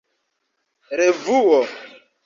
revuo